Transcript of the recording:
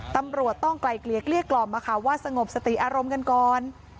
ตำรวจต้องไกลเกลียเกลี้ยกล่อมว่าสงบสติอารมณ์กันก่อน